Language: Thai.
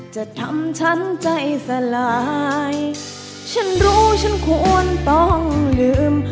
จะทำฉันใจสลายฉันรู้ฉันควรต้องลืม